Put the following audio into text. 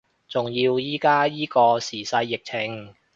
仲要依家依個時勢疫情